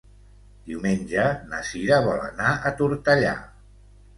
Diumenge na Cira vol anar a Tortellà.